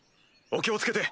お気を付けて！